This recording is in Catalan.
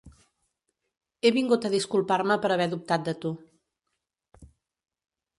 He vingut a disculpar-me per haver dubtat de tu.